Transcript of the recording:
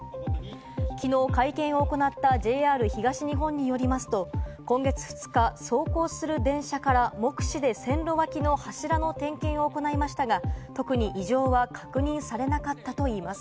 きのう会見を行ったＪＲ東日本によりますと、今月２日、走行する電車から目視で線路脇の柱の点検を行いましたが、特に異常は確認されなかったといいます。